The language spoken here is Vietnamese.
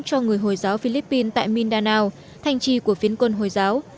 cho người hồi giáo philippines tại mindanao thành trì của phiến quân hồi giáo